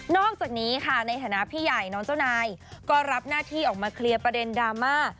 อกจากนี้ค่ะในฐานะพี่ใหญ่น้องเจ้านายก็รับหน้าที่ออกมาเคลียร์ประเด็นดราม่า